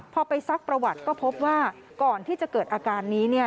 พอไปซักประวัติก็พบว่าก่อนที่จะเกิดอาการนี้เนี่ย